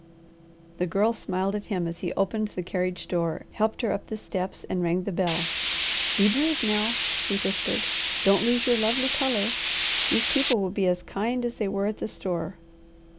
The Girl smiled at him as he opened the carriage door, helped her up the steps and rang the bell. "Be brave now!" he whispered. "Don't lose your lovely colour. These people will be as kind as they were at the store."